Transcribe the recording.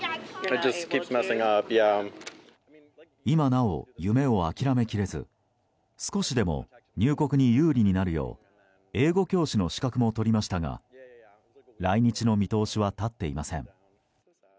今なお、夢を諦め切れず少しでも入国に有利になるよう英語教師の資格も取りましたが来日の見通しは立っていません。